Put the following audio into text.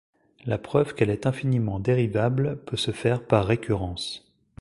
La preuve qu'elle est infiniment dérivable peut se faire par récurrence.